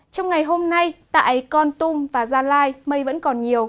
trong ngày hôm nay tại con tum và gia lai mây vẫn còn nhiều